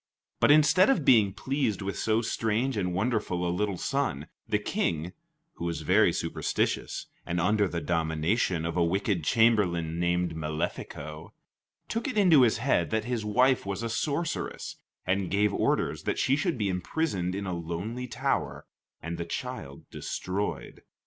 But instead of being pleased with so strange and wonderful a little son, the King (who was very superstitious and under the domination of wicked chamberlain named Malefico) took it into his head that his wife was a sorceress, and gave orders that she should be imprisoned in a lonely tower and the child destroyed.